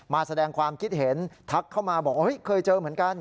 มาแสดงความคิดเห็นทักเข้ามาบอกว่าเคยเจอเหมือนกัน